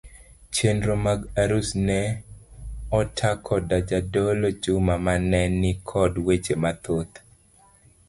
Chenro mag arus ne ota koda jadolo Juma mane ni kod weche mathoth.